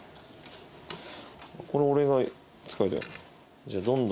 これ俺が使いたい。